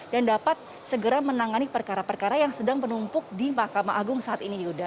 dan dapat segera menangani perkara perkara yang sedang penumpuk di mahkamah agung saat ini yuda